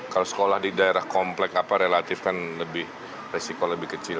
kalau sekolah di daerah komplek apa relatif kan lebih resiko lebih kecil